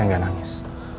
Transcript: keisha tidak nangis